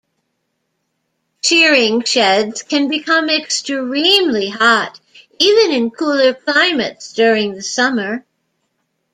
Shearing sheds can become extremely hot, even in cooler climates, during the summer.